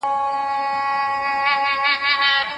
کوتوزوف د روسیې د لښکر یو زړور قوماندان دی.